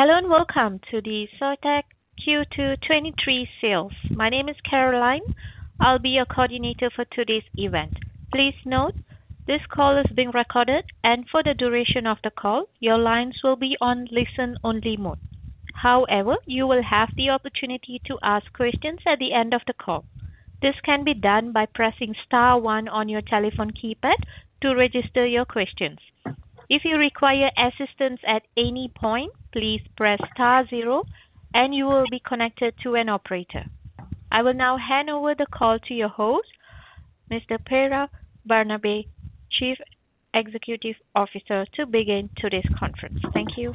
Hello and welcome to the Soitec Q2 2023 Sales. My name is Caroline. I'll be your coordinator for today's event. Please note this call is being recorded, and for the duration of the call, your lines will be on listen-only mode. However, you will have the opportunity to ask questions at the end of the call. This can be done by pressing star one on your telephone keypad to register your questions. If you require assistance at any point, please press star zero and you will be connected to an operator. I will now hand over the call to your host, Mr. Pierre Barnabé, Chief Executive Officer, to begin today's conference. Thank you.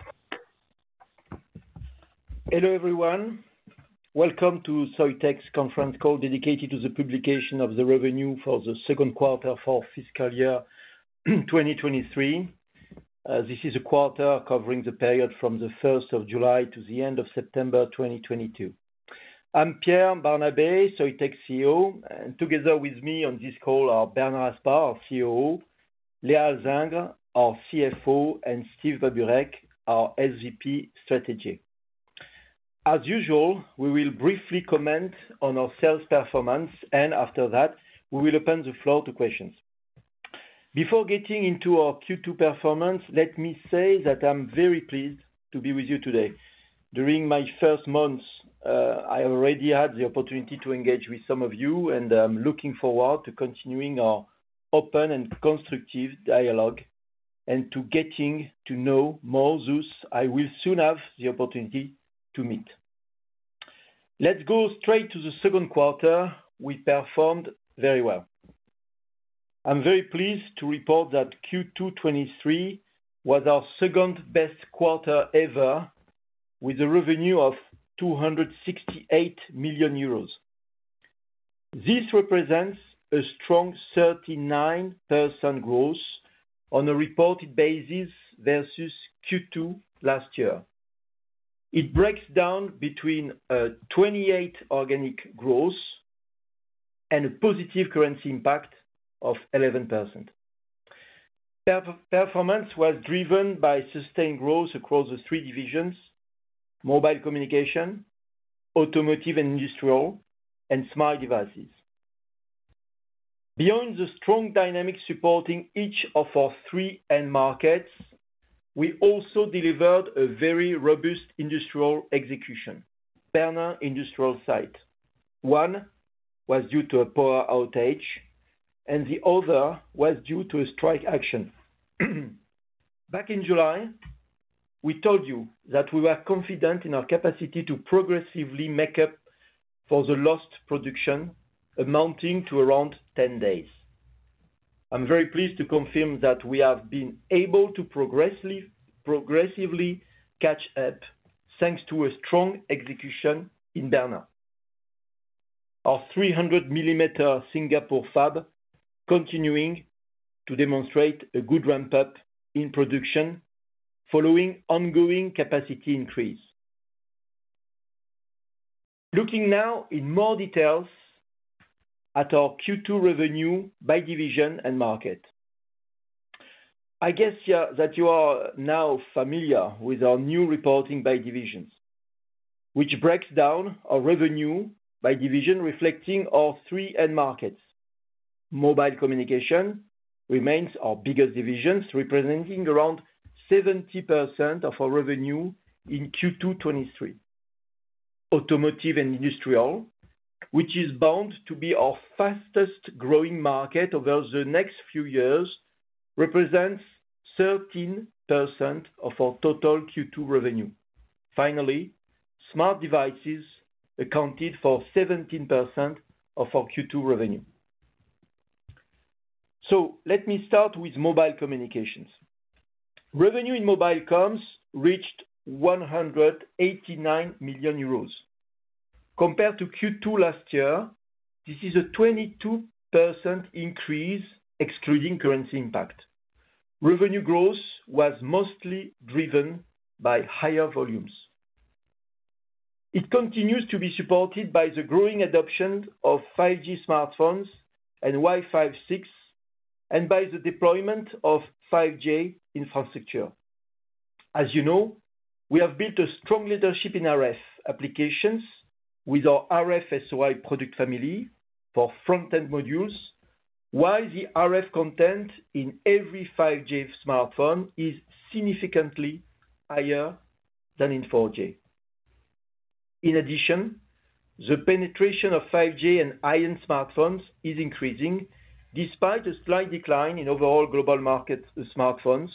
Hello, everyone. Welcome to Soitec's conference call dedicated to the publication of the revenue for the second quarter for fiscal year 2023. This is a quarter covering the period from the first of July to the end of September 2022. I'm Pierre Barnabé, Soitec's CEO, and together with me on this call are Bernard Aspar, our COO, Léa Alzingre, our CFO, and Steve Babureck, our SVP Strategy. As usual, we will briefly comment on our sales performance, and after that, we will open the floor to questions. Before getting into our Q2 performance, let me say that I'm very pleased to be with you today. During my first months, I already had the opportunity to engage with some of you, and I'm looking forward to continuing our open and constructive dialogue and to getting to know more those I will soon have the opportunity to meet. Let's go straight to the second quarter. We performed very well. I'm very pleased to report that Q2 2023 was our second-best quarter ever with a revenue of 268 million euros. This represents a strong 39% growth on a reported basis versus Q2 last year. It breaks down between 28% organic growth and a positive currency impact of 11%. Our performance was driven by sustained growth across the three divisions: Mobile Communication, Automotive & Industrial, and Smart Devices. Beyond the strong dynamic supporting each of our three end markets, we also delivered a very robust industrial execution. Bernin industrial site. One was due to a power outage, and the other was due to a strike action. Back in July, we told you that we were confident in our capacity to progressively make up for the lost production amounting to around 10 days. I'm very pleased to confirm that we have been able to progressively catch up thanks to a strong execution in Bernin. Our 300mm Singapore fab continuing to demonstrate a good ramp-up in production following ongoing capacity increase. Looking now in more details at our Q2 revenue by division and market. I guess that you are now familiar with our new reporting by divisions, which breaks down our revenue by division reflecting our three end markets. Mobile Communication remains our biggest divisions, representing around 70% of our revenue in Q2 2023. Automotive & Industrial, which is bound to be our fastest-growing market over the next few years, represents 13% of our total Q2 revenue. Finally, Smart Devices accounted for 17% of our Q2 revenue. Let me start with Mobile Communications. Revenue in Mobile Comms reached 189 million euros. Compared to Q2 last year, this is a 22% increase excluding currency impact. Revenue growth was mostly driven by higher volumes. It continues to be supported by the growing adoption of 5G smartphones and Wi-Fi 6, and by the deployment of 5G infrastructure. As you know, we have built a strong leadership in RF applications with our RF-SOI product family for front-end modules, while the RF content in every 5G smartphone is significantly higher than in 4G. In addition, the penetration of 5G and high-end smartphones is increasing despite a slight decline in overall global smartphone market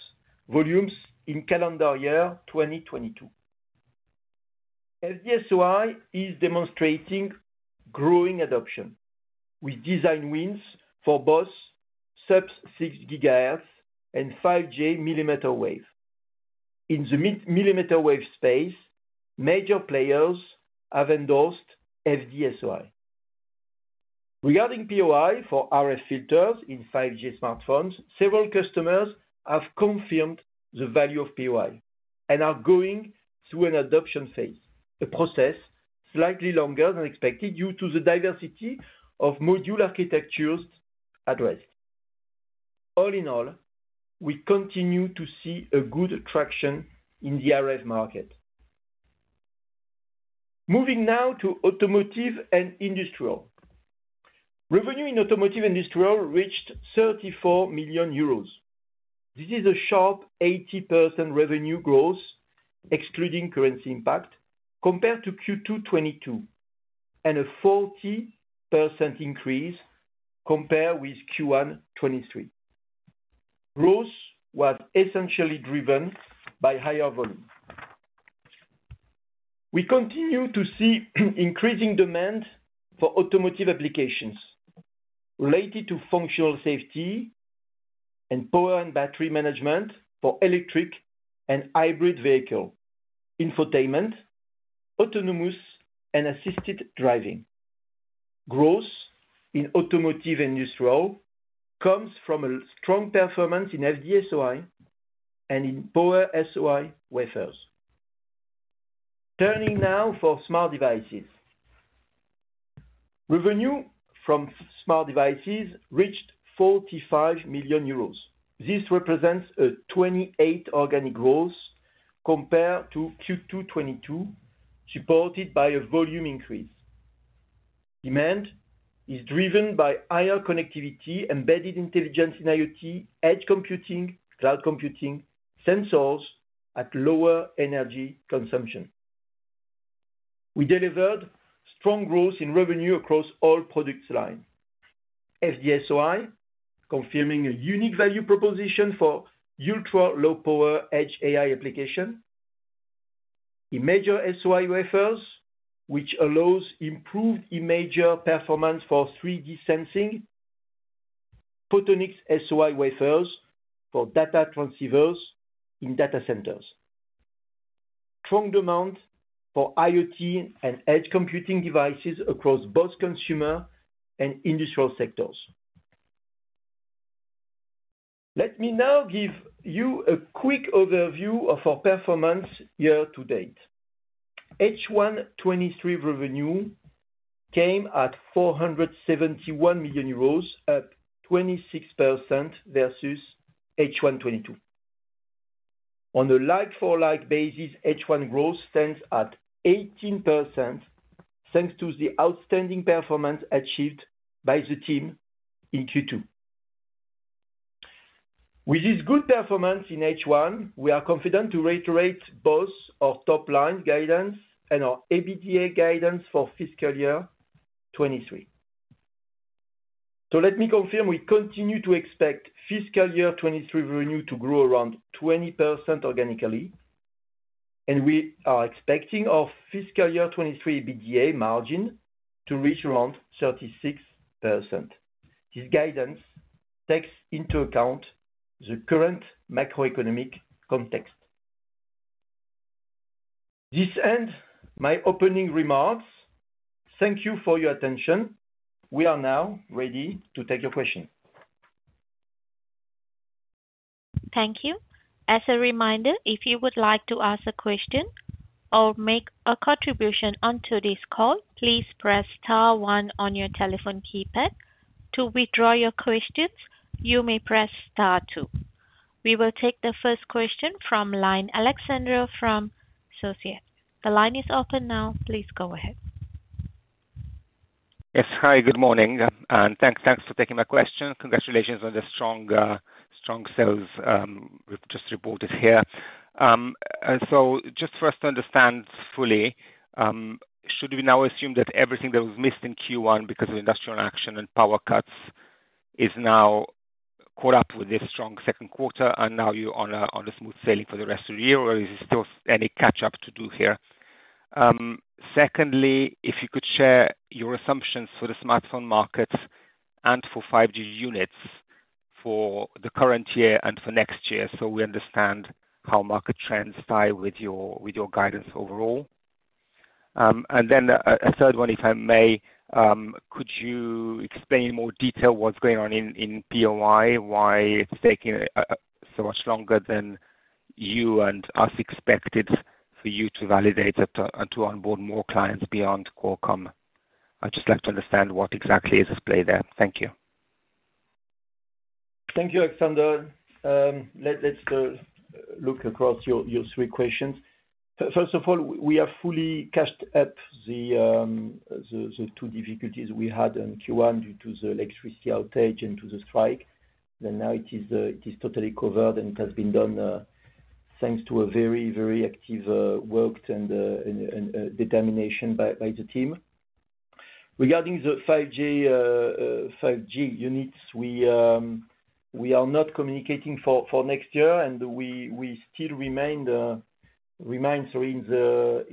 volumes in calendar year 2022. FD-SOI is demonstrating growing adoption with design wins for both sub-6 GHz and 5G millimeter wave. In the millimeter wave space, major players have endorsed FD-SOI. Regarding POI for RF filters in 5G smartphones, several customers have confirmed the value of POI and are going through an adoption phase. The process, slightly longer than expected due to the diversity of module architectures addressed. All in all, we continue to see a good traction in the RF market. Moving now to Automotive & Industrial. Revenue in Automotive & Industrial reached 34 million euros. This is a sharp 80% revenue growth, excluding currency impact, compared to Q2 2022, and a 40% increase compared with Q1 2023. Growth was essentially driven by higher volume. We continue to see increasing demand for automotive applications related to functional safety and power and battery management for electric and hybrid vehicle, infotainment, autonomous and assisted driving. Growth in Automotive & Industrial comes from a strong performance in FD-SOI and in Power-SOI wafers. Turning now to Smart Devices. Revenue from Smart Devices reached 45 million euros. This represents a 28% organic growth compared to Q2 2022, supported by a volume increase. Demand is driven by higher connectivity, embedded intelligence in IoT, edge computing, cloud computing, sensors at lower energy consumption. We delivered strong growth in revenue across all product lines. FD-SOI, confirming a unique value proposition for ultra-low power edge AI application. Imager-SOI wafers, which allows improved image performance for 3D sensing. Photonics-SOI wafers for data transceivers in data centers. Strong demand for IoT and edge computing devices across both consumer and industrial sectors. Let me now give you a quick overview of our performance year to date. H1 2023 revenue came at 471 million euros, up 26% versus H1 2022. On a like-for-like basis, H1 growth stands at 18%, thanks to the outstanding performance achieved by the team in Q2. With this good performance in H1, we are confident to reiterate both our top line guidance and our EBITDA guidance for fiscal year 2023. Let me confirm, we continue to expect fiscal year 2023 revenue to grow around 20% organically, and we are expecting our fiscal year 2023 EBITDA margin to reach around 36%. This guidance takes into account the current macroeconomic context. This ends my opening remarks. Thank you for your attention. We are now ready to take your question. Thank you. As a reminder, if you would like to ask a question or make a contribution onto this call, please press star one on your telephone keypad. To withdraw your questions, you may press star two. We will take the first question from line Aleksander from Société. The line is open now. Please go ahead. Yes. Hi, good morning, and thanks for taking my question. Congratulations on the strong sales you've just reported here. Just for us to understand fully, should we now assume that everything that was missed in Q1 because of industrial action and power cuts is now caught up with this strong second quarter and now you're on a smooth sailing for the rest of the year? Or is there still any catch up to do here? Secondly, if you could share your assumptions for the smartphone market and for 5G units for the current year and for next year, so we understand how market trends tie with your guidance overall. A third one, if I may. Could you explain in more detail what's going on in POI? Why it's taking so much longer than you and us expected for you to validate it and to onboard more clients beyond Qualcomm? I'd just like to understand what exactly is at play there. Thank you. Thank you, Aleksander. Let's look across your three questions. First of all, we are fully caught up the two difficulties we had in Q1 due to the electricity outage and to the strike. Now it is totally covered, and it has been done thanks to a very active work and determination by the team. Regarding the 5G units, we are not communicating for next year, and we still remain, sorry, in the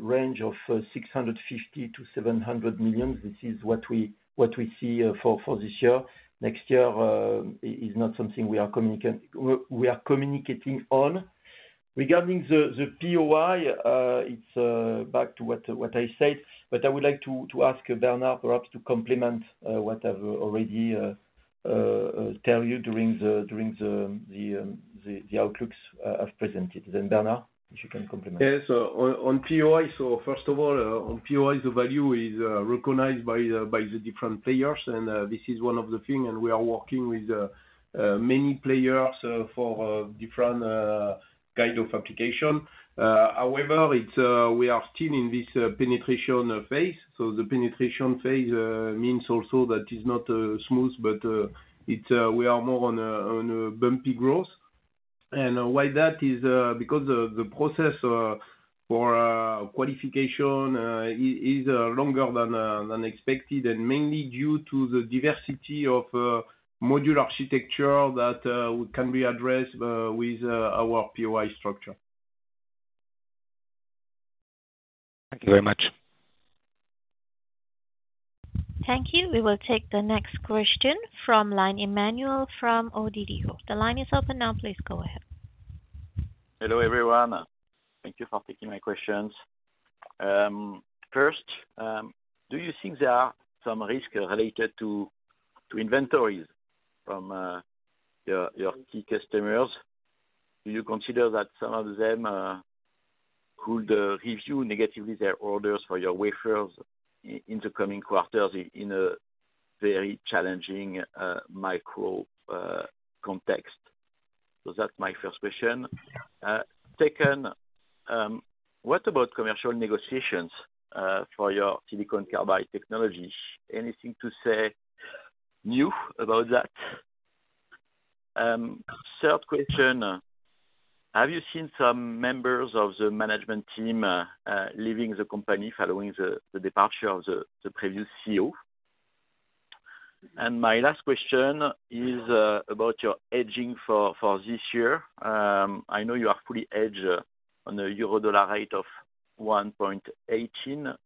range of 650 million-700 million. This is what we see for this year. Next year is not something we are communicating on. Regarding the POI, it's back to what I said, but I would like to ask Bernard perhaps to complement what I've already said. Tell you during the outlooks I've presented. Bernard, if you can complement. Yes. On POI, first of all, the value is recognized by the different players, and this is one of the thing, and we are working with many players for different kind of application. However, we are still in this penetration phase. The penetration phase means also that it's not smooth, but we are more on a bumpy growth. Why that is because the process for qualification is longer than expected, and mainly due to the diversity of module architecture that can be addressed with our POI structure. Thank you very much. Thank you. We will take the next question from line Emmanuel from ODDO. The line is open now. Please go ahead. Hello, everyone. Thank you for taking my questions. First, do you think there are some risk related to inventories from your key customers? Do you consider that some of them could revise negatively their orders for your wafers in the coming quarters in a very challenging macro context? That's my first question. Second, what about commercial negotiations for your silicon carbide technology? Anything to say new about that? Third question. Have you seen some members of the management team leaving the company following the departure of the previous CEO? My last question is about your edging for this year. I know you are fully edged on a euro-dollar rate of 1.18,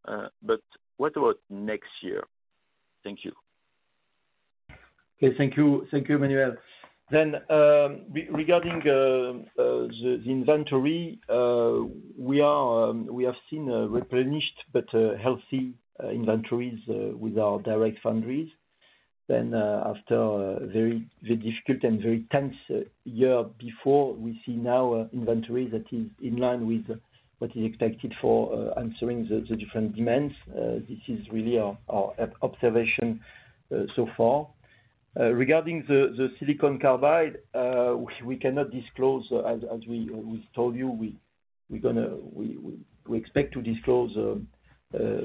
but what about next year? Thank you. Okay, thank you. Thank you, Emmanuel. Regarding the inventory, we have seen replenished but healthy inventories with our direct foundries. After a very difficult and very tense year before, we see now inventory that is in line with what is expected for answering the different demands. This is really our observation so far. Regarding the silicon carbide, we cannot disclose as we told you. We expect to disclose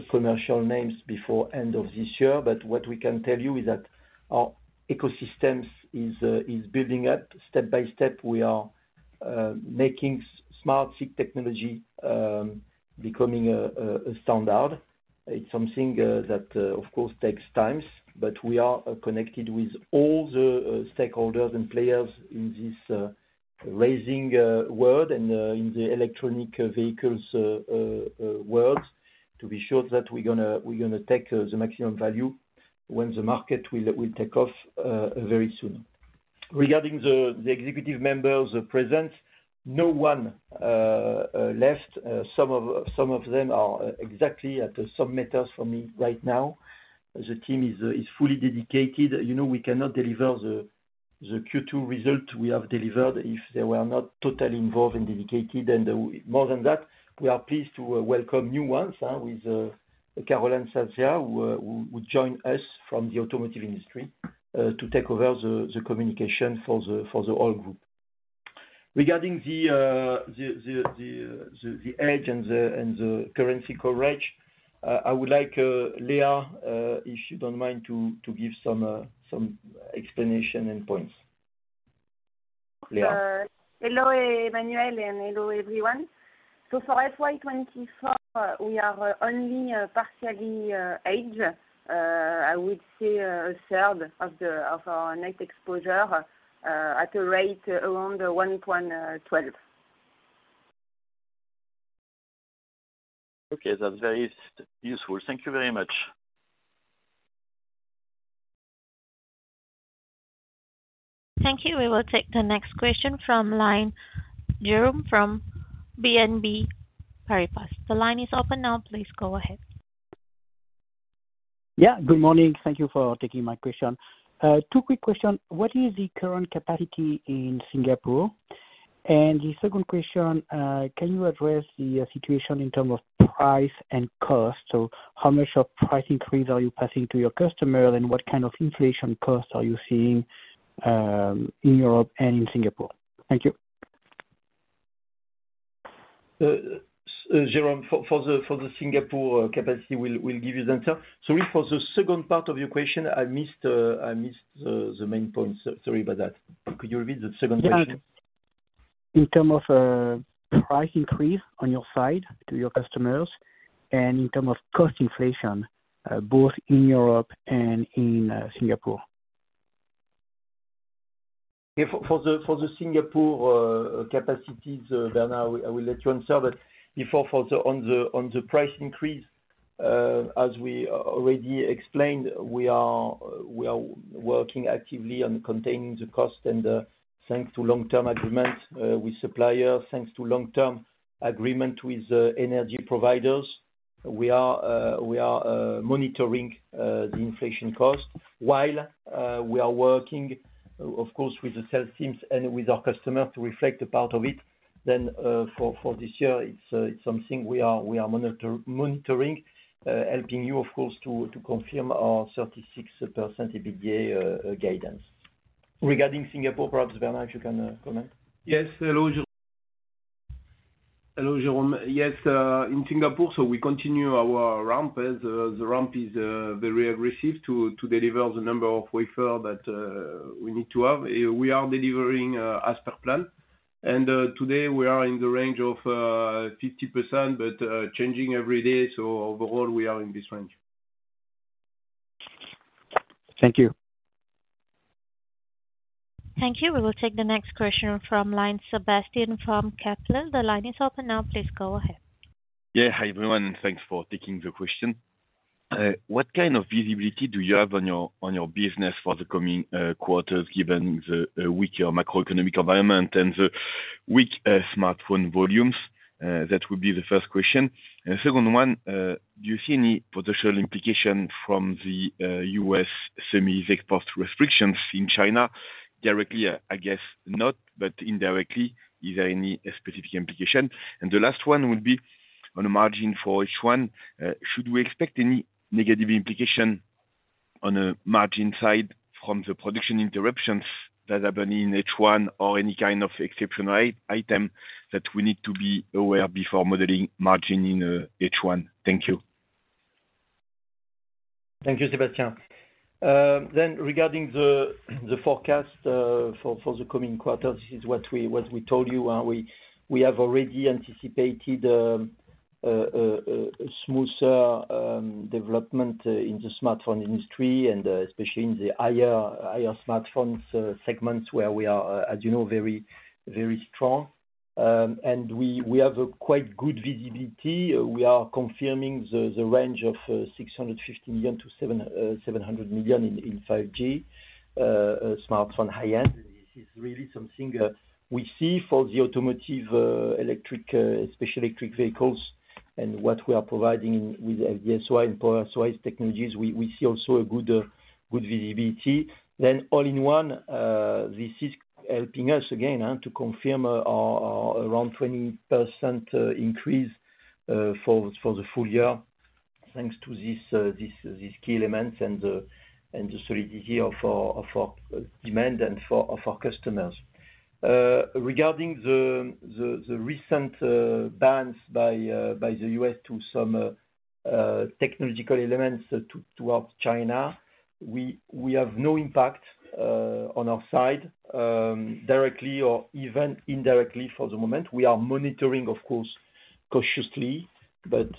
commercial names before end of this year. But what we can tell you is that our ecosystem is building up step by step. We are making SmartSiC technology becoming a standard. It's something that of course takes time, but we are connected with all the stakeholders and players in this racing world and in the electric vehicles world to be sure that we're gonna take the maximum value when the market will take off very soon. Regarding the executive members' presence, no one left. Some of them are exactly at some meters from me right now. The team is fully dedicated. You know, we cannot deliver the Q2 result we have delivered if they were not totally involved and dedicated. More than that, we are pleased to welcome new ones with Caroline Sasia, who joined us from the automotive industry to take over the communication for the whole group. Regarding the hedge and the currency coverage, I would like, Léa, if you don't mind to give some explanation and points. Léa? Hello, Emmanuel, and hello, everyone. For FY 2024, we are only partially hedged. I would say a third of our net exposure at a rate around 1.12. Okay, that's very useful. Thank you very much. Thank you. We will take the next question from line, Jerome from BNP Paribas. The line is open now. Please go ahead. Yeah, good morning. Thank you for taking my question. Two quick question. What is the current capacity in Singapore? The second question, can you address the situation in terms of price and cost? How much of price increase are you passing to your customer? What kind of inflation costs are you seeing, in Europe and in Singapore? Thank you. Jerome, for the Singapore capacity, we'll give you the answer. Sorry, for the second part of your question, I missed the main point, so sorry about that. Could you repeat the second part? Yeah. In terms of price increase on your side to your customers and in terms of cost inflation, both in Europe and in Singapore. Yeah. For the Singapore capacities, Bernard, I will let you answer. Before, on the price increase, as we already explained, we are working actively on containing the cost. Thanks to long-term agreement with suppliers, thanks to long-term agreement with energy providers. We are monitoring the inflation cost while we are working, of course, with the sales teams and with our customer to reflect a part of it. For this year, it's something we are monitoring, helping you of course to confirm our 36% EBITDA guidance. Regarding Singapore, perhaps, Bernard, you can comment. Yes. Hello, Jerome. In Singapore, we continue our ramp as the ramp is very aggressive to deliver the number of wafer that we need to have. We are delivering as per plan. Today we are in the range of 50%, but changing every day. Overall, we are in this range. Thank you. Thank you. We will take the next question from line, Sébastien from Kepler. The line is open now. Please go ahead. Yeah. Hi, everyone. Thanks for taking the question. What kind of visibility do you have on your business for the coming quarters, given the weaker macroeconomic environment and the weak smartphone volumes? That would be the first question. Second one, do you see any potential implication from the U.S. semiconductor export restrictions in China? Directly, I guess not, but indirectly, is there any specific implication? The last one would be on the margin for each one. Should we expect any negative implication on the margin side from the production interruptions that happen in H1 or any kind of exceptional item that we need to be aware of before modeling margin in H1? Thank you. Thank you, Sébastien. Regarding the forecast for the coming quarters, this is what we told you. We have already anticipated a smoother development in the smartphone industry and especially in the higher smartphone segments where we are, as you know, very strong. We have a quite good visibility. We are confirming the range of 650 million-700 million in 5G smartphone high-end. This is really something we see for the automotive electric, especially electric vehicles and what we are providing with the SOI and Power-SOI technologies. We see also a good visibility. All in all, this is helping us again to confirm our around 20% increase for the full year, thanks to these key elements and the solidity of our demand from our customers. Regarding the recent bans by the US on some technological elements to China, we have no impact on our side, directly or even indirectly for the moment. We are monitoring, of course, cautiously, but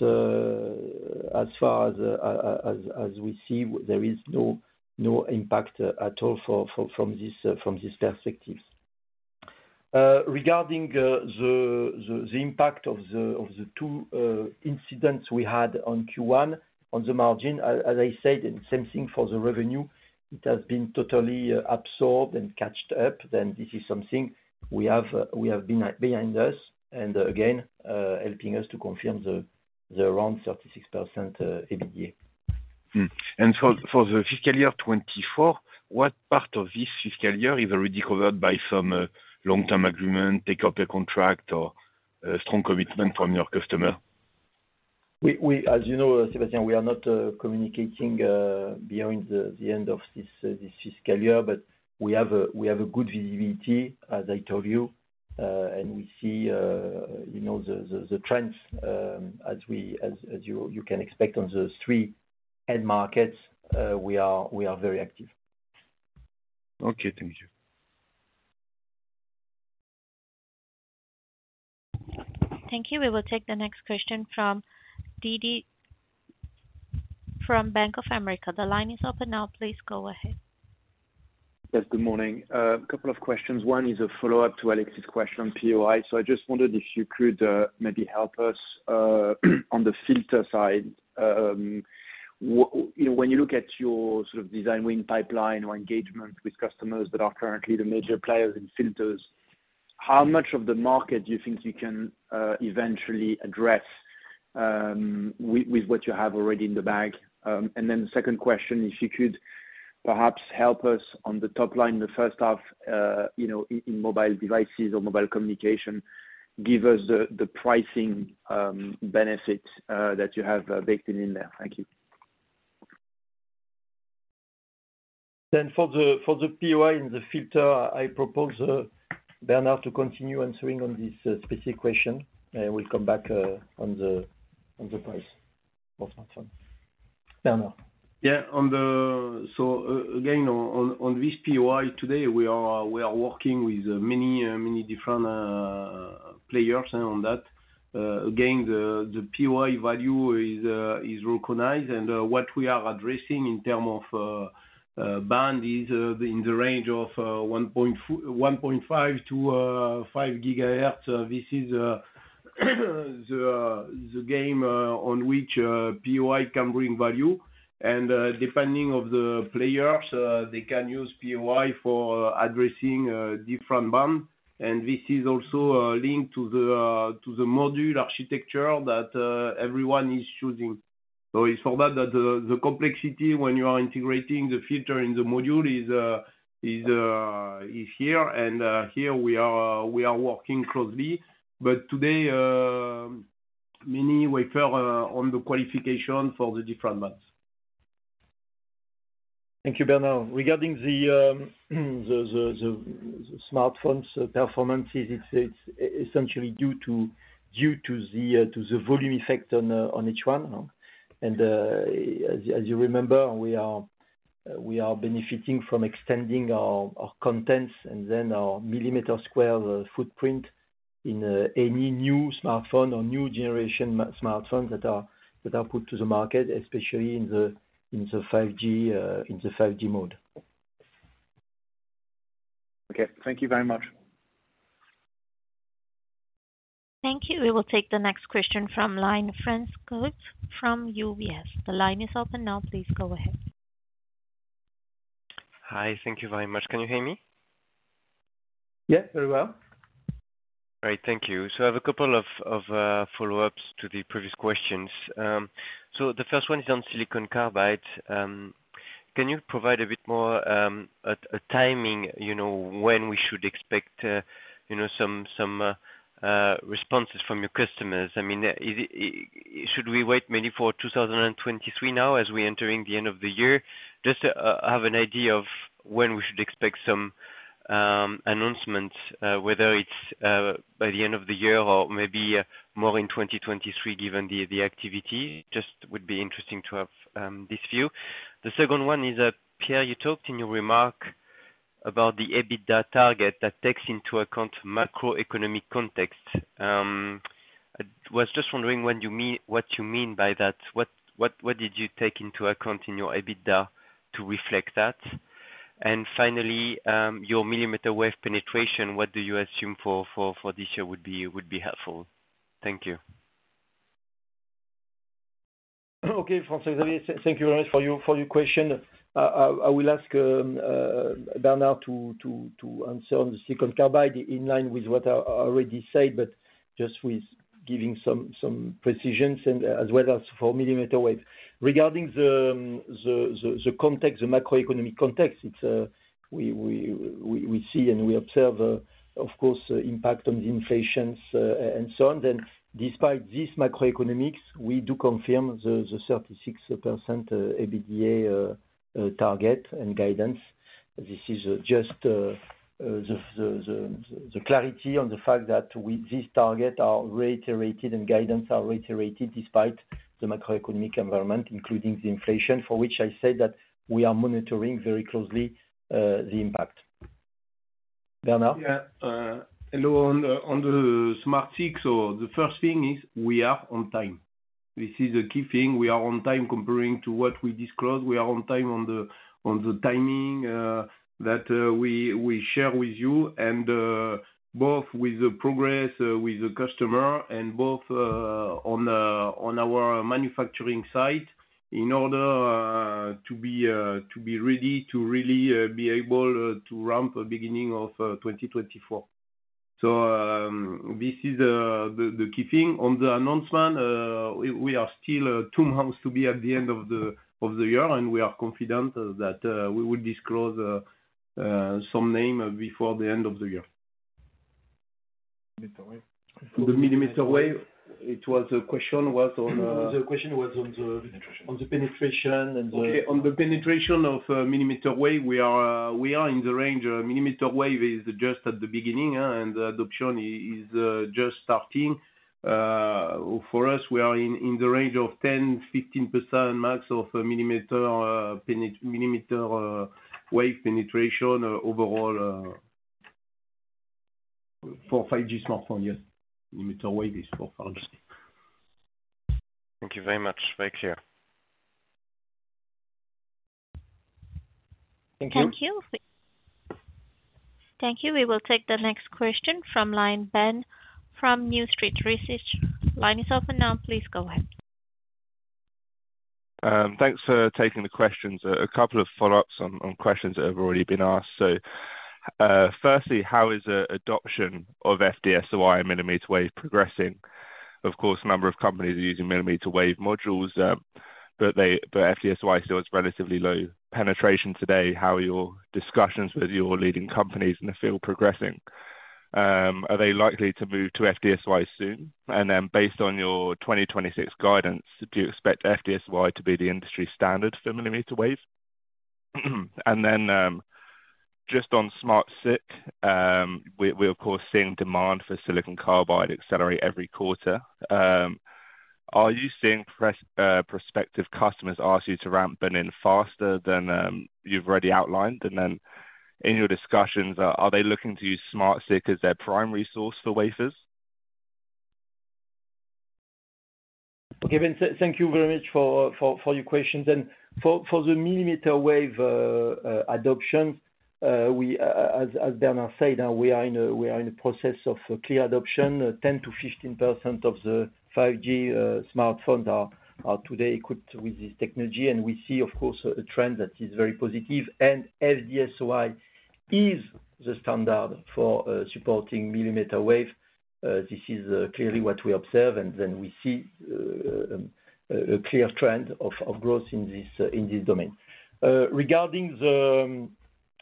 as far as we see, there is no impact at all from this perspective. Regarding the impact of the two incidents we had on Q1 on the margin, as I said, and same thing for the revenue, it has been totally absorbed and caught up. This is something we have behind us and again, helping us to confirm the around 36% EBITDA. For the fiscal year 2024, what part of this fiscal year is already covered by some long-term agreement, take-up contract or a strong commitment from your customer? As you know, Sébastien, we are not communicating beyond the end of this fiscal year, but we have a good visibility, as I told you, and we see you know the trends as you can expect on the three end markets, we are very active. Okay. Thank you. Thank you. We will take the next question from Didier from Bank of America. The line is open now. Please go ahead. Yes, good morning. A couple of questions. One is a follow-up to Alex's question on POI. I just wondered if you could maybe help us on the filter side. When you look at your sort of design win pipeline or engagement with customers that are currently the major players in filters, how much of the market do you think you can eventually address with what you have already in the bag? And then the second question, if you could perhaps help us on the top line, the first half, you know, in mobile devices or Mobile Communication, give us the pricing benefit that you have baked in there. Thank you. For the POI and the filter, I propose Bernard to continue answering on this specific question. I will come back on the price for smartphone. Bernard. On this POI today, we are working with many different players on that. Again, the POI value is recognized. What we are addressing in terms of band is in the range of 1.5GHz -5GHz. This is the game on which POI can bring value. Depending on the players, they can use POI for addressing a different band. This is also a link to the module architecture that everyone is choosing. It's for that that the complexity when you are integrating the filter in the module is here. Here we are working closely. Today, many wafers on the qualification for the different months. Thank you, Bernard. Regarding the smartphones performance, it's essentially due to the volume effect on each one. As you remember, we are benefiting from extending our contracts and then our millimeter wave footprint in any new smartphone or new generation smartphones that are put on the market, especially in the 5G mode. Okay. Thank you very much. Thank you. We will take the next question from line, François from UBS. The line is open now. Please go ahead. Hi. Thank you very much. Can you hear me? Yeah, very well. All right. Thank you. I have a couple of follow-ups to the previous questions. The first one is on silicon carbide. Can you provide a bit more, a timing, you know, when we should expect, you know, some responses from your customers? I mean, should we wait maybe for 2023 now as we entering the end of the year? Just to have an idea of when we should expect some announcements, whether it's by the end of the year or maybe more in 2023, given the activity. Just would be interesting to have this view. The second one is that, Pierre, you talked in your remark about the EBITDA target that takes into account macroeconomic context. I was just wondering what you mean by that. What did you take into account in your EBITDA to reflect that? Finally, your millimeter wave penetration, what do you assume for this year would be helpful. Thank you. Okay, François. Thank you very much for your question. I will ask Bernard to answer on the silicon carbide in line with what I already said, but just with giving some precisions and as well as for millimeter wave. Regarding the context, the macroeconomic context, it's we see and we observe, of course, impact on the inflation, and so on. Despite this macroeconomics, we do confirm the 36% EBITDA target and guidance. This is just the clarity on the fact that this target are reiterated and guidance are reiterated despite the macroeconomic environment, including the inflation, for which I say that we are monitoring very closely the impact. Bernard? Hello. On the SmartSiC, the first thing is we are on time. This is the key thing. We are on time comparing to what we disclosed. We are on time on the timing that we share with you and both with the progress with the customer and both on our manufacturing site in order to be ready to really be able to ramp beginning of 2024. This is the key thing. On the announcement, we are still two months to be at the end of the year, and we are confident that we will disclose some name before the end of the year. The millimeter wave, it was a question was on The question was on the. Penetration. on the penetration and the Okay. On the penetration of millimeter wave, we are in the range. Millimeter wave is just at the beginning, and the adoption is just starting. For us, we are in the range of 10%-15% max of millimeter wave penetration overall. For 5G smartphone, yes. Millimeter wave is for 5G. Thank you very much. Very clear. Thank you. Thank you. Thank you. We will take the next question from line, Ben from New Street Research. Line is open now. Please go ahead. Thanks for taking the questions. A couple of follow-ups on questions that have already been asked. First, how is adoption of FD-SOI millimeter wave progressing? Of course, a number of companies are using millimeter wave modules, but FD-SOI still has relatively low penetration today. How are your discussions with your leading companies in the field progressing? Are they likely to move to FD-SOI soon? Based on your 2026 guidance, do you expect FD-SOI to be the industry standard for millimeter wave? Just on SmartSiC, we're of course seeing demand for silicon carbide accelerate every quarter. Are you seeing prospective customers ask you to ramp Bernin faster than you've already outlined? In your discussions, are they looking to use SmartSiC as their primary source for wafers? Okay, Ben. Thank you very much for your questions. For the millimeter wave adoption, as Bernard said, we are in a process of clear adoption. 10%-15% of the 5G smartphones are today equipped with this technology. We see, of course, a trend that is very positive. FD-SOI is the standard for supporting millimeter wave. This is clearly what we observe, and then we see a clear trend of growth in this domain. Regarding the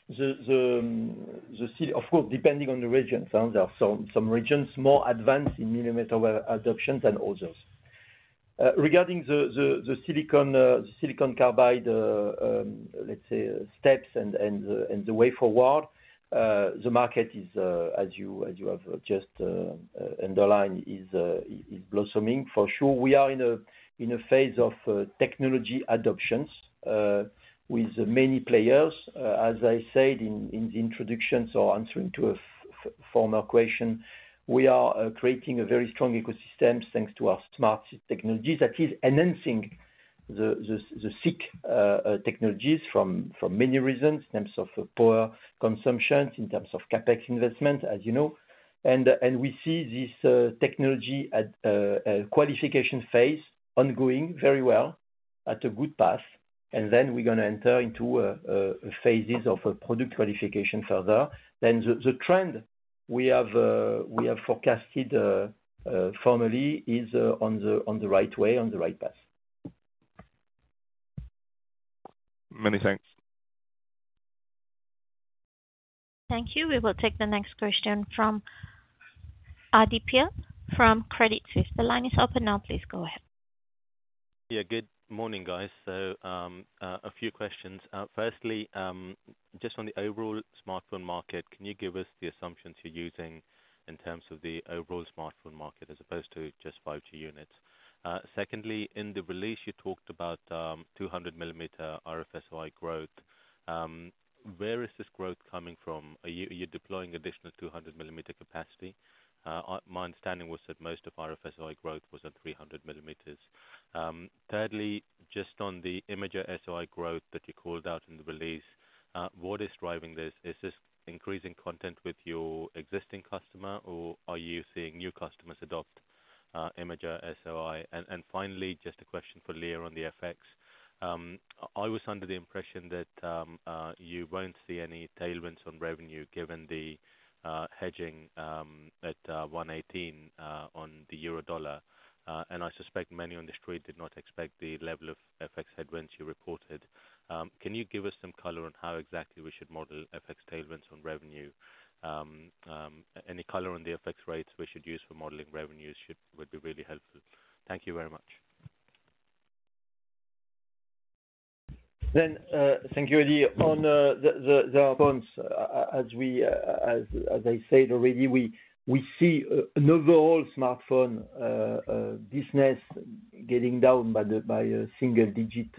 situation, of course, depending on the regions. There are some regions more advanced in millimeter wave adoption than others. Regarding the silicon carbide, let's say, steps and the way forward, the market is, as you have just underlined, is blossoming. For sure, we are in a phase of technology adoptions with many players. As I said in the introduction, answering to a former question, we are creating a very strong ecosystem thanks to our smart technologies that is enhancing the SiC technologies from many reasons, in terms of power consumption, in terms of CapEx investment, as you know. We see this technology at a qualification phase ongoing very well at a good path. Then we're gonna enter into phases of product qualification further. The trend we have forecasted formally is on the right way, on the right path. Many thanks. Thank you. We will take the next question from Adithya from Credit Suisse. The line is open now. Please go ahead. Yeah, good morning, guys. A few questions. Firstly, just on the overall smartphone market, can you give us the assumptions you're using in terms of the overall smartphone market as opposed to just 5G units? Secondly, in the release, you talked about 200 mm RF-SOI growth. Where is this growth coming from? Are you deploying additional 200 mm capacity? My understanding was that most of RF-SOI growth was at 300 mm. Thirdly, just on the Imager-SOI growth that you called out in the release, what is driving this? Is this increasing content with your existing customer, or are you seeing new customers adopt Imager-SOI? Finally, just a question for Léa on the FX. I was under the impression that you won't see any tailwinds on revenue given the hedging at 1.18 on the euro dollar. I suspect many on the street did not expect the level of FX headwinds you reported. Can you give us some color on how exactly we should model FX tailwinds on revenue? Any color on the FX rates we would use for modeling revenues would be really helpful. Thank you very much. Thank you, Adithya. On the phones, as I said already, we see an overall smartphone business getting down by a single-digit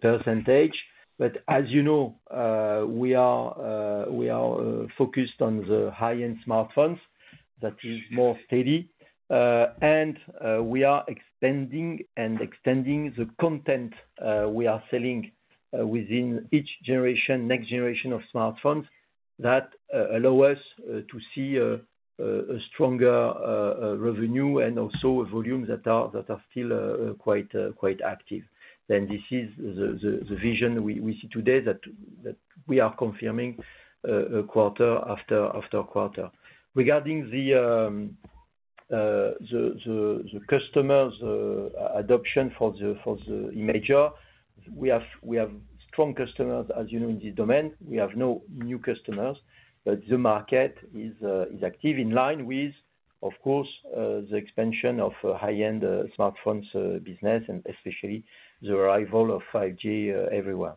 percentage. As you know, we are focused on the high-end smartphones that is more steady and we are expanding and extending the content we are selling within each generation, next generation of smartphones that allow us to see a stronger revenue and also volumes that are still quite active. This is the vision we see today that we are confirming quarter after quarter. Regarding the customers adoption for the Imager-SOI, we have strong customers, as you know, in this domain. We have no new customers, but the market is active in line with, of course, the expansion of high-end smartphones business and especially the arrival of 5G everywhere.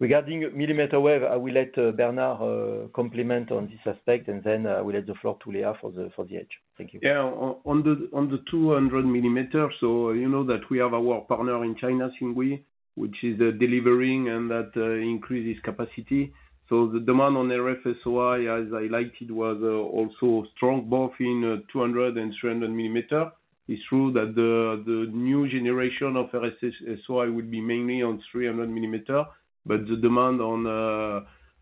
Regarding millimeter wave, I will let Bernard comment on this aspect, and then I will give the floor to Léa for the Edge AI. Thank you. On the 200 mm, you know that we have our partner in China, Tsinghua, which is delivering and that increases capacity. The demand on RF-SOI, as I laid it, was also strong, both in 200 mm and 300 mm. It's true that the new generation of RF-SOI would be mainly on 300 mm, but the demand on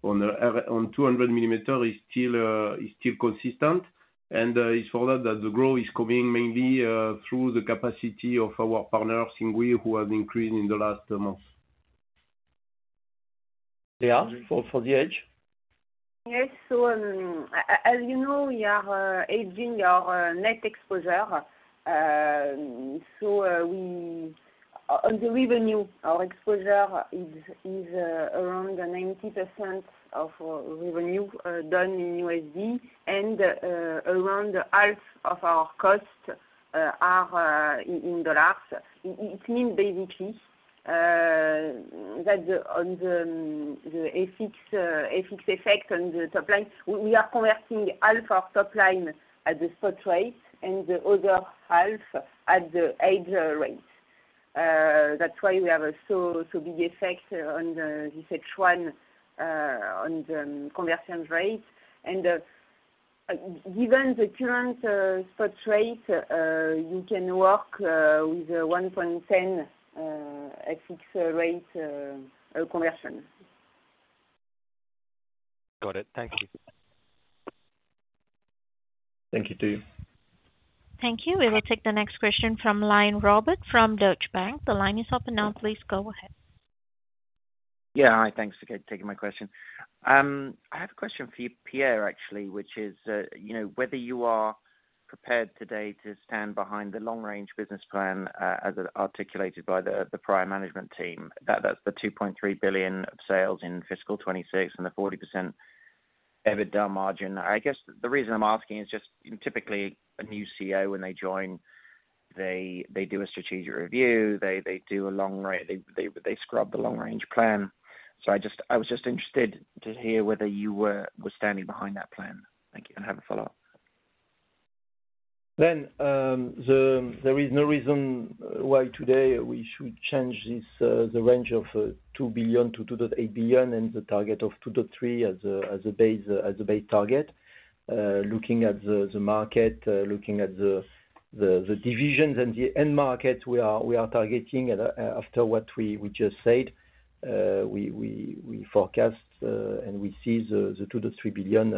200 mm is still consistent. It's for that the growth is coming mainly through the capacity of our partner, Tsinghua, who has increased in the last months. Léa, for the edge? Yes. As you know, we are hedging our net exposure. On the revenue, our exposure is around 90% of our revenue done in USD, and around half of our costs are in dollars. It means basically that on the FX effect on the top line, we are converting half our top line at the spot rate and the other half at the hedge rate. That's why we have a so big effect on this H1 on the conversion rate. Given the current spot rate, you can work with a 1.10 FX rate conversion. Got it. Thank you. Thank you, too. Thank you. We will take the next question from line, Robert from Deutsche Bank. The line is open now. Please go ahead. Yeah. Hi. Thanks for taking my question. I have a question for you, Pierre, actually, which is, you know, whether you are prepared today to stand behind the long-range business plan, as articulated by the prior management team. That's the 2.3 billion of sales in fiscal 2026 and the 40% EBITDA margin. I guess the reason I'm asking is just, you know, typically a new CEO when they join, they do a strategic review. They scrub the long-range plan. I was just interested to hear whether you were standing behind that plan. Thank you, and have a follow-up. There is no reason why today we should change this, the range of 2 billion-2.8 billion and the target of 2-3 as a base target. Looking at the market, looking at the divisions and the end market we are targeting. After what we just said, we forecast and we see the 2- 3 billion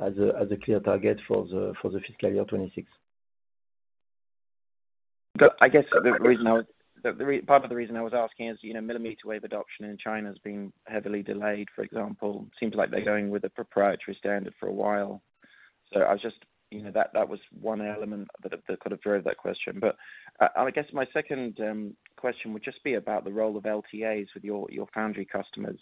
as a clear target for the fiscal year 2026. Part of the reason I was asking is, you know, millimeter wave adoption in China has been heavily delayed, for example. Seems like they're going with the proprietary standard for a while. I was just, you know, that was one element that could have drove that question. And I guess my second question would just be about the role of LTAs with your foundry customers.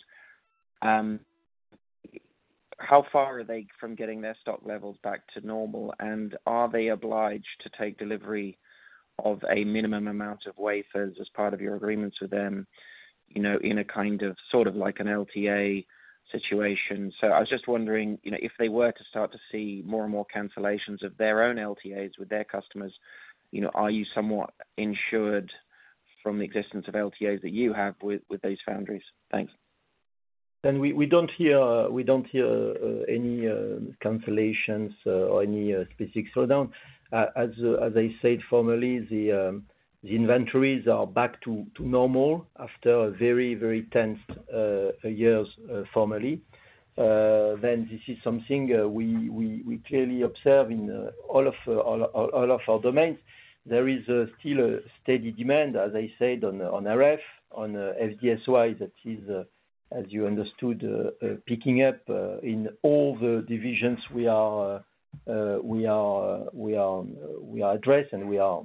How far are they from getting their stock levels back to normal, and are they obliged to take delivery of a minimum amount of wafers as part of your agreements with them, you know, in a kind of sort of like an LTA situation? I was just wondering, you know, if they were to start to see more and more cancellations of their own LTAs with their customers, you know, are you somewhat insulated from the existence of LTAs that you have with those foundries? Thanks. We don't hear any cancellations or any specific slowdown. As I said, the inventories are back to normal after a very tense years formerly. This is something we clearly observe in all of our domains. There is still a steady demand, as I said, on RF, on FD-SOI. That is, as you understood, picking up in all the divisions we are addressed and we are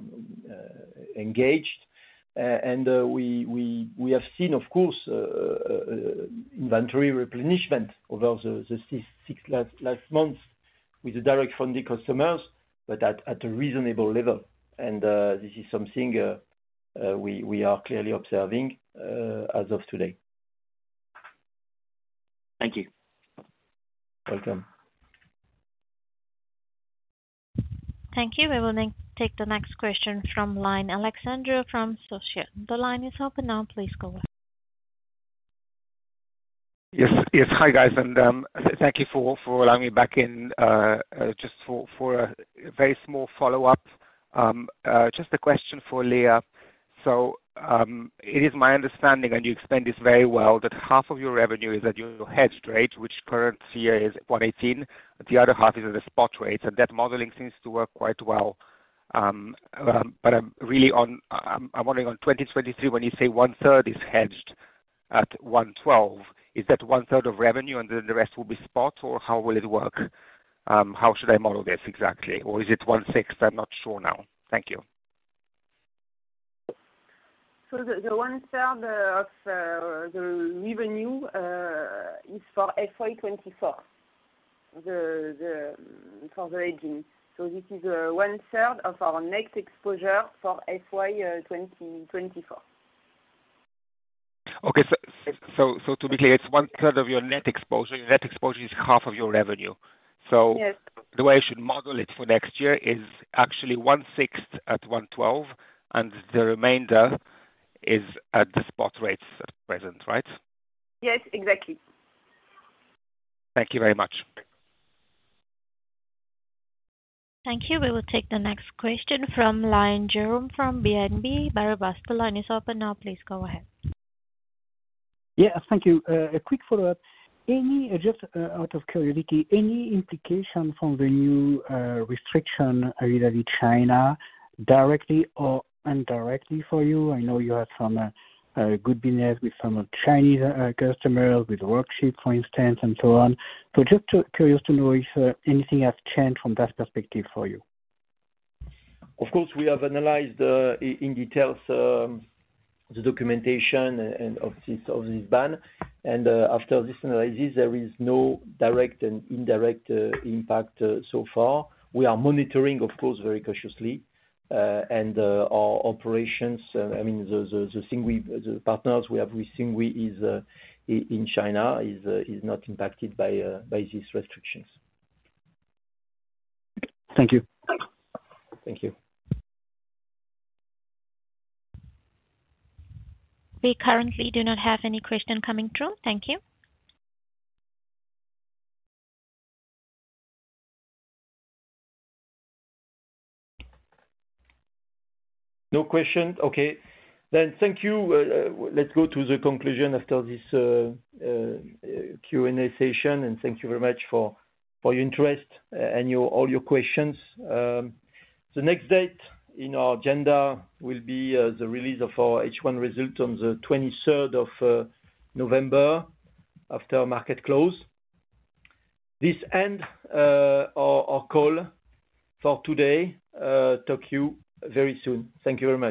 engaged. We have seen, of course, inventory replenishment over the last six months with the direct end customers, but at a reasonable level. This is something we are clearly observing as of today. Thank you. Welcome. Thank you. We will then take the next question from line. Aleksander from Société. The line is open now. Please go ahead. Yes. Hi, guys, and thank you for allowing me back in, just for a very small follow-up. Just a question for Léa. It is my understanding, and you explained this very well, that 1/2 of your revenue is at your hedged rate, which currently is 1.18, the other 1/2 is at the spot rate, and that modeling seems to work quite well. I'm wondering on 2023, when you say 1/3 is hedged at 1.12, is that 1/3 of revenue and then the rest will be spot, or how will it work? How should I model this exactly? Or is it 1/6? I'm not sure now. Thank you. The 1/3 of the revenue is for FY 2024 for the hedging. This is 1/3 of our net exposure for FY 2024. Okay. To be clear, it's 1/3 of your net exposure. Your net exposure is half of your revenue. Yes. The way I should model it for next year is actually 1/6 at 1.12 and the remainder is at the spot rates at present, right? Yes, exactly. Thank you very much. Thank you. We will take the next question from line. Jerome from BNP Paribas. The line is open now. Please go ahead. Yeah. Thank you. A quick follow-up. Just out of curiosity, any implication from the new restriction vis-à-vis China directly or indirectly for you? I know you had some good business with some Chinese customers, with VeriSilicon, for instance, and so on. Curious to know if anything has changed from that perspective for you. Of course, we have analyzed in detail the documentation of this ban. After this analysis, there is no direct or indirect impact so far. We are monitoring, of course, very cautiously. Our operations, I mean, the partners we have with NSIG in China is not impacted by these restrictions. Thank you. Thank you. We currently do not have any question coming through. Thank you. No question? Okay. Thank you. Let's go to the conclusion after this Q&A session. Thank you very much for your interest and all your questions. The next date in our agenda will be the release of our H1 result on the 23rd of November after market close. This ends our call for today. Talk to you very soon. Thank you very much.